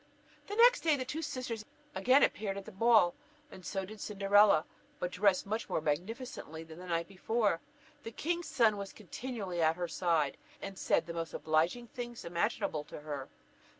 The next day the two sisters again appeared at the ball, and so did Cinderella, but dressed much more magnificently than the night before. The king's son was continually by her side, and said the most obliging things imaginable to her.